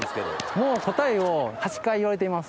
もう８回言われています。